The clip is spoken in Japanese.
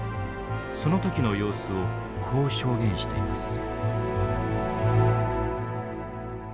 その時の様子をこう証言しています。